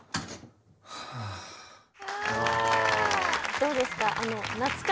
どうですか？